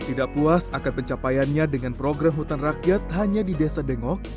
tidak puas akan pencapaiannya dengan program hutan rakyat hanya di desa dengok